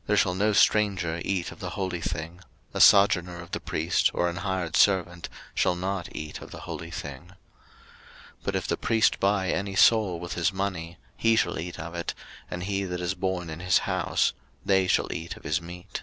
03:022:010 There shall no stranger eat of the holy thing: a sojourner of the priest, or an hired servant, shall not eat of the holy thing. 03:022:011 But if the priest buy any soul with his money, he shall eat of it, and he that is born in his house: they shall eat of his meat.